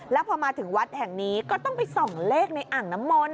แล้วพอมาถึงวัดแห่งนี้ก็ต้องไปส่องเลขในอ่างน้ำมนต